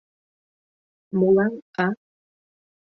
Молан, а?